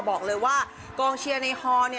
บอกเลยว่ากองเชียร์ในฮอล